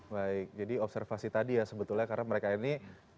baik jadi observasi tadi ya sebetulnya karena mereka ini